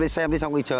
xem đi xong đi chờ